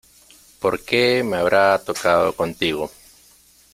¡ Por qué me habrá tocado contigo!